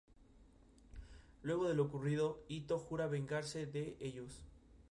Luego de lo ocurrido, Ittō jura vengarse de ellos.